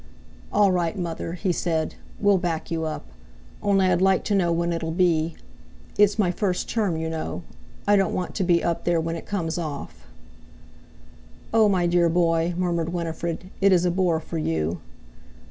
"All right, mother," he said; "we'll back you up. Only I'd like to know when it'll be. It's my first term, you know. I don't want to be up there when it comes off." "Oh! my dear boy," murmured Winifred, "it is a bore for you."